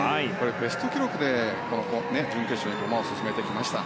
ベスト記録で準決勝に駒を進めてきました。